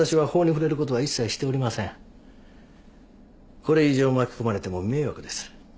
これ以上巻き込まれても迷惑です。